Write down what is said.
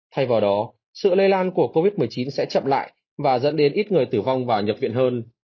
thay vào đó sự lây lan của covid một mươi chín sẽ chậm lại và dẫn đến ít người tử vong và nhập viện hơn